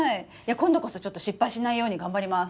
今度こそちょっと失敗しないように頑張ります！